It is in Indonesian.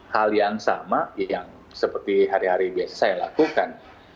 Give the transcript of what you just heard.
hal yang sama yang seperti hari hari biasa saya lakukan